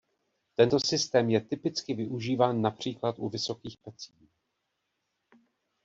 Tento systém je typicky využíván například u vysokých pecí.